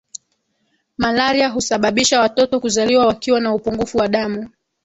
malaria husababisha watoto kuzaliwa wakiwa na upungufu wa damu